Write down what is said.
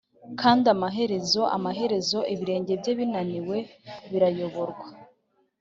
kandi amaherezo amaherezo ibirenge bye binaniwe birayoborwa